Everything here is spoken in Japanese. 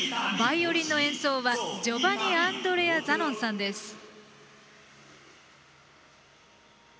バイオリンの演奏は、ジョバニアンドレア・ザノンさんです。